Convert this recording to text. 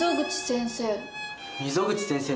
溝口先生。